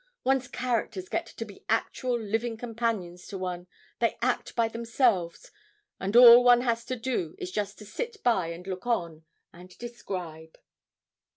One's characters get to be actual living companions to one; they act by themselves, and all one has to do is just to sit by and look on, and describe.'